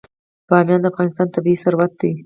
بامیان د افغانستان طبعي ثروت دی.